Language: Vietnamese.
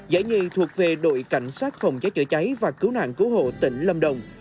giải nhì thuộc về đội cảnh sát phòng cháy chữa cháy và cứu nạn cứu hộ tỉnh lâm đồng